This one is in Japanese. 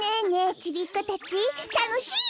ちびっこたちたのしイ？